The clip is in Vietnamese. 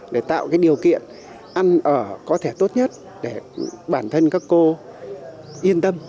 để tạo cái điều kiện ăn ở có thể tốt nhất để bản thân các cô yên tâm